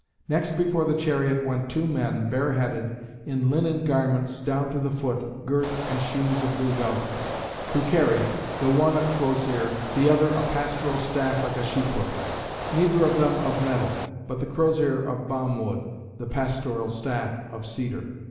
Next before the chariot, went two men, bare headed, in linen garments down the foot, girt, and shoes of blue velvet; who carried, the one a crosier, the other a pastoral staff like a sheep hook; neither of them of metal, but the crosier of balm wood, the pastoral staff of cedar.